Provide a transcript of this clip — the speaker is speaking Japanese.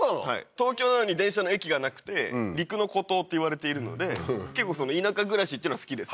東京なのに電車の駅がなくて陸の孤島っていわれているので結構田舎暮らしってのは好きです